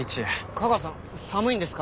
架川さん寒いんですか？